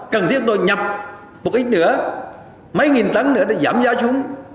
cần thiết tôi nhập một ít nữa mấy nghìn tấn nữa để giảm giá xuống